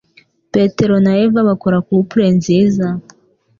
Peter na Eva bakora couple nziza.